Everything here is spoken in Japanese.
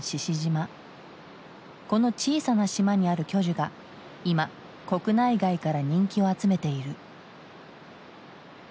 この小さな島にある巨樹が今国内外から人気を集めている。